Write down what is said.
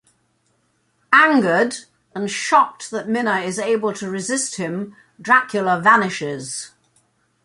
Angered, and shocked that Mina is able to resist him, Dracula vanishes.